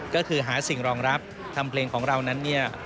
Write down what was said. ก็คือหาสิ่งรองรับทำเพลงของเรานั้นเนี่ย